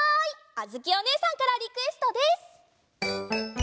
あづきおねえさんからリクエストです！